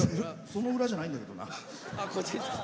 その裏じゃないんだけどな。